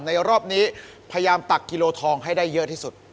รอบนี้พยายามตักกิโลทองให้ได้เยอะที่สุด